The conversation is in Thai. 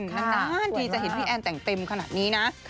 นานทีจะเห็นพี่แอนแต่งเต็มขนาดนี้นะ